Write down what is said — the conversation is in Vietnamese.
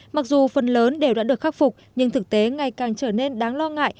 mặc dù phần lớn đều đã được khắc phục nhưng thực tế ngày càng trở nên đáng lo ngại